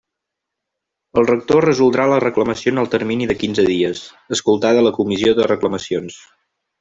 El rector resoldrà la reclamació en el termini de quinze dies, escoltada la Comissió de Reclamacions.